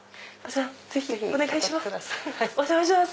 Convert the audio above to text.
ぜひお願いします。